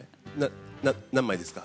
何枚ですか？